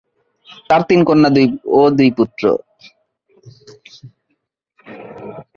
তার তিন কন্যা ও দুই পুত্র।